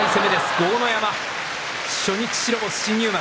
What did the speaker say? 豪ノ山、初日白星、新入幕。